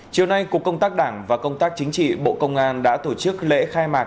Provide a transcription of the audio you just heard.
chiều nay cục công tác đảng và công tác chính trị bộ công an đã tổ chức lễ khai mạc